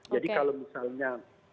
jadi kalau misalnya